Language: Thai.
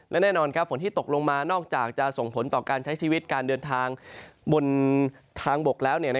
และแน่นอนฝนที่ตกลงมานอกจากจะส่งผลต่อการใช้ชีวิตการเดินทางบนทางบกแล้ว